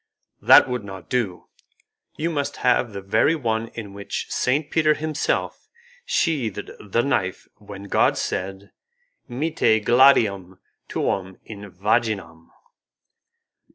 "That would not do, you must have the very one in which Saint Peter himself sheathed the knife when God said, 'Mitte gladium tuum in vaginam'.